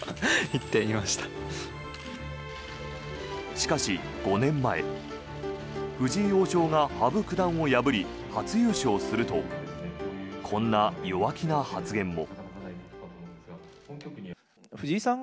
しかし、５年前藤井王将が羽生九段を破り初優勝するとこんな弱気な発言も。